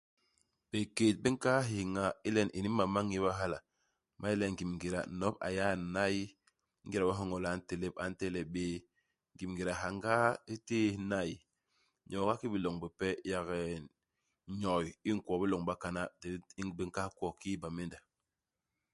Bikék bi nkahal héñha ilen ini. Imam ma ñéba hala, ma yé le ngim ngéda, nop a yé a n'nay. Ingéda we u nhoñol le a ntelep, a ntelep bé. Ngim ngéda, hyangaa hi témb hi n'nay. Nyoo nga ki i biloñ bipe, yak nn nyoy i i nkwo i biloñ bi bakana, di di i nkahal kwo, kiki i Bamenda.